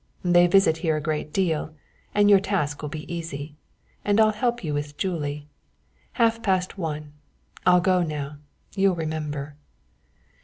They visit here a great deal, and your task will be easy and I'll help you with Julie. Half past one; I'll go now you'll remember."